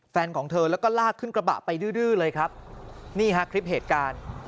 ของเธอแล้วก็ลากขึ้นกระบะไปดื้อดื้อเลยครับนี่ฮะคลิปเหตุการณ์